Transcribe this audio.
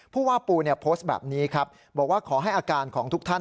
ผู้ว่าปูโพสต์แบบนี้ครับบอกว่าขอให้อาการของทุกท่าน